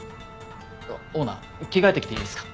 オーナー着替えてきていいですか？